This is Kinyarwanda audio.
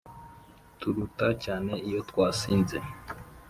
turuta cyane iyo twasinze